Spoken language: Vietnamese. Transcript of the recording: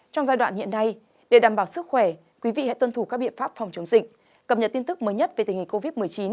trong giai đoạn hiện nay để đảm bảo sức khỏe quý vị hãy tuân thủ các biện pháp phòng chống dịch cập nhật tin tức mới nhất về tình hình covid một mươi chín